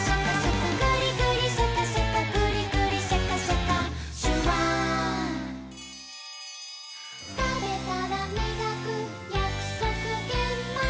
「グリグリシャカシャカグリグリシャカシャカ」「シュワー」「たべたらみがくやくそくげんまん」